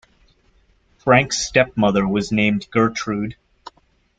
Frank's stepmother was named Gertrude.